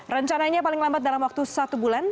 rencananya paling lambat dalam waktu satu bulan